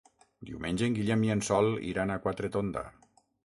Diumenge en Guillem i en Sol iran a Quatretonda.